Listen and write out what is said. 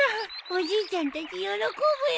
おじいちゃんたち喜ぶよ。